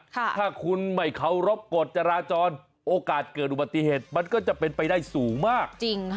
ถ้าคุณไม่เคารพกฎจราจรโอกาสเกิดอุบัติเหตุมันก็จะเป็นไปได้สูงมาก